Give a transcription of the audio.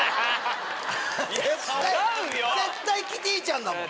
絶対キティちゃんだもん！